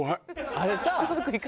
あれさ。